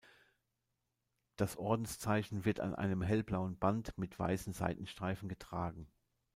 Das Ordenszeichen wird an einem hellblauen Band mit weißen Seitenstreifen getragen.